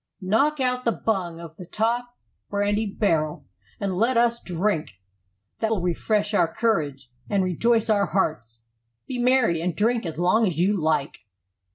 "Knock out the bung of the top brandy barrel, and let us drink; that will refresh our courage and rejoice our hearts. Be merry and drink as long as you like."